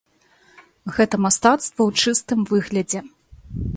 Гэта мастацтва ў чыстым выглядзе.